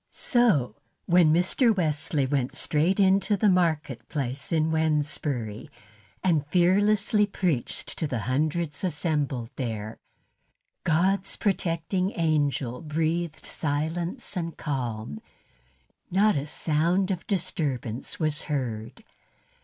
So, when Mr. Wesley went straight into the market place in Wednesbury, and fearlessly preached to the hundreds assembled there, God's protecting angel breathed silence and calm; not a sound of disturbance was heard.